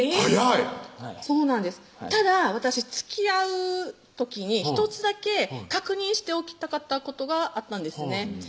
ただ私つきあう時に１つだけ確認しておきたかったことがあったんですね